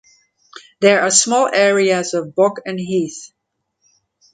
There are small areas of bog and heath.